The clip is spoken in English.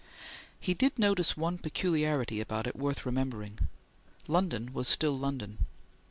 He did notice one peculiarity about it worth remembering. London was still London.